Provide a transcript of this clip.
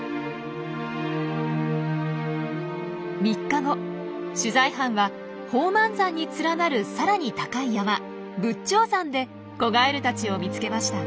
３日後取材班は宝満山に連なるさらに高い山仏頂山で子ガエルたちを見つけました。